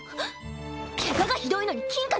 ケガがひどいのに金貨